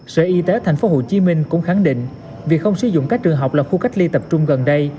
sở y tế tp hcm cũng khẳng định việc không sử dụng các trường học là khu cách ly tập trung gần đây